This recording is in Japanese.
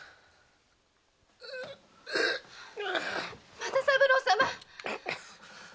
又三郎様！